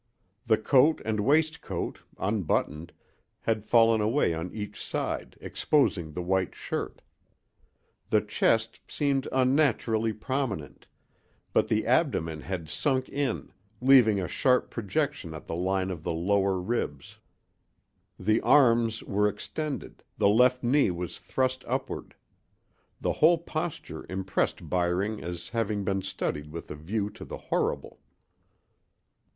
The coat and waistcoat, unbuttoned, had fallen away on each side, exposing the white shirt. The chest seemed unnaturally prominent, but the abdomen had sunk in, leaving a sharp projection at the line of the lower ribs. The arms were extended, the left knee was thrust upward. The whole posture impressed Byring as having been studied with a view to the horrible.